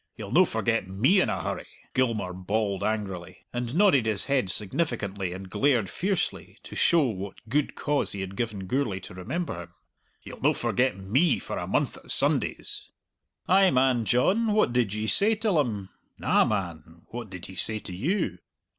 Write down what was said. He'll no forget me in a hurry" Gilmour bawled angrily, and nodded his head significantly, and glared fiercely, to show what good cause he had given Gourlay to remember him "he'll no forget me for a month of Sundays." "Ay, man, John, what did ye say till him?" "Na, man, what did he say to you?"